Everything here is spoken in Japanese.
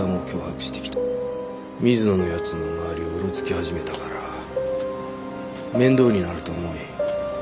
水野の奴の周りをうろつき始めたから面倒になると思い。